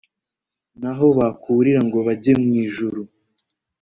naho bakurira ngo bajye mu ijuru